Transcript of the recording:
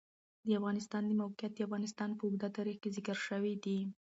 د افغانستان د موقعیت د افغانستان په اوږده تاریخ کې ذکر شوی دی.